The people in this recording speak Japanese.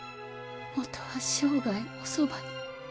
もとは生涯おそばに。